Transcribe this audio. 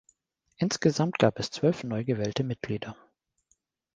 Insgesamt gab es zwölf neu gewählte Mitglieder.